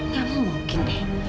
gak mungkin deh